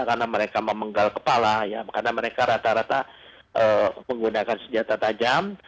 karena mereka memenggal kepala karena mereka rata rata menggunakan senjata tajam